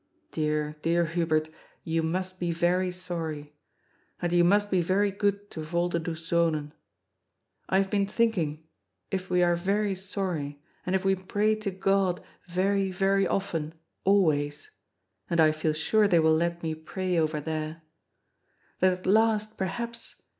Dear, dear Habert, you must be very sorry. And you must be very good to Volderdoes Zonen. I hare been thinking, if we are yery sorry, and if we pray to Qod very, very often, always — and I feel sure they will let me pray over there — that at last, perhaps.